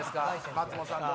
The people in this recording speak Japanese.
松本さんと？